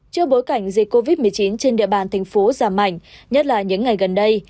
trước bối cảnh dịch covid một mươi chín trên địa bàn thành phố giảm mạnh nhất là những ngày gần đây